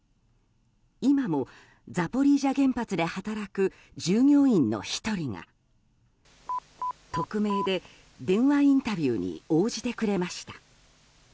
今もザポリージャ原発で働く従業員の１人が匿名で電話インタビューに応じてくれました。